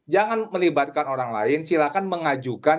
jangan melibatkan orang lain silahkan mengajukan